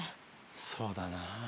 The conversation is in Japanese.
そうだな。